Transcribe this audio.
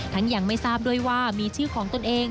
ยังไม่ทราบด้วยว่ามีชื่อของตนเอง